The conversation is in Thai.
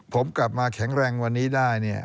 ผมกลับมาแข็งแรงวันนี้ได้เนี่ย